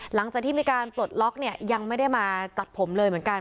หลังจากที่มีการปลดล็อกเนี่ยยังไม่ได้มาตัดผมเลยเหมือนกัน